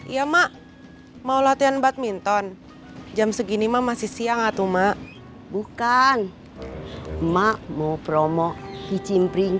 ya mak mau latihan badminton jam segini mak masih siang atau mak bukan mak mau promo hijin pring